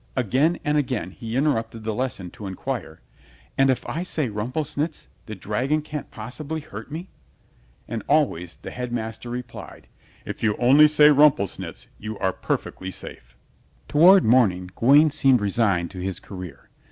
Again and again he interrupted the lesson to inquire, "And if I say 'Rumplesnitz' the dragon can't possibly hurt me?" And always the Headmaster replied, "If you only say 'Rumplesnitz,' you are perfectly safe." Toward morning Gawaine seemed resigned to his career.